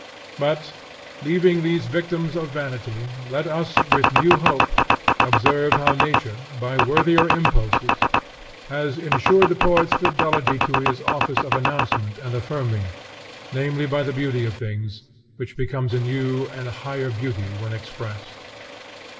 But, leaving these victims of vanity, let us, with new hope, observe how nature, by worthier impulses, has ensured the poet's fidelity to his office of announcement and affirming, namely by the beauty of things, which becomes a new and higher beauty when expressed.